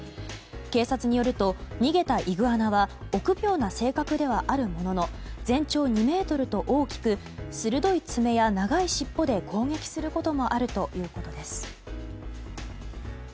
警察によると、逃げたイグアナは臆病な性格ではあるものの全長２ｍと大きく鋭い爪や長い尻尾で攻撃することもあるということです。